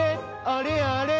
あれあれ？